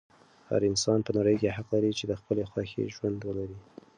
هر انسان په نړۍ کې حق لري چې د خپلې خوښې ژوند ولري.